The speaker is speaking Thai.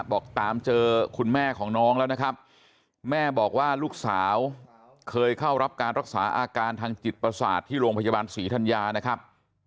บอกตามเจอคุณแม่ของน้องแล้วนะครับแม่บอกว่าลูกสาวเคยเข้ารับการรักษาอาการทางจิตประสาทที่โรงพยาบาลศรีธัญญานะครับ